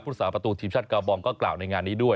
สาประตูทีมชาติกาบองก็กล่าวในงานนี้ด้วย